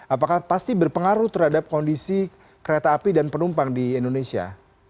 apakah pasti berpengaruh terhadap kondisi kereta api dan penumpang di indonesia